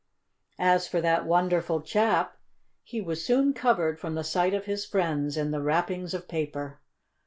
As for that wonderful chap, he was soon covered from the sight of his friends in the wrappings of paper.